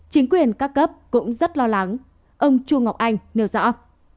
chính quyền các cấp cũng rất lo lắng ông chu ngọc anh nêu rõ